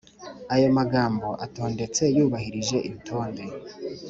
Ayo magambo atondetse yubahirije itonde